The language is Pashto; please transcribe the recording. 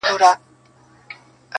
• د کښتۍ مسافر -